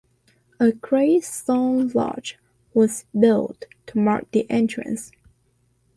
A gray stone lodge was built to mark the entrance.